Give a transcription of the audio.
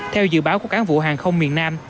theo dự báo của cán vụ hàng không miền nam